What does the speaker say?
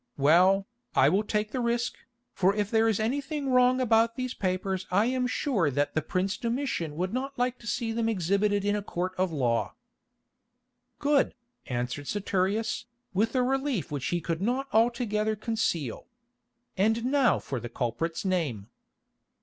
Well, I will take the risk, for if there is anything wrong about these papers I am sure that the prince Domitian would not like to see them exhibited in a court of law." "Good," answered Saturius, with a relief which he could not altogether conceal. "And now for the culprit's name."